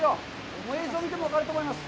この映像を見ても分かると思います。